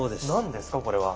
何ですか？